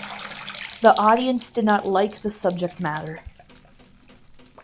The audience did not like the subject matter.